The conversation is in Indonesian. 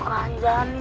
kasihan sih sultan anjay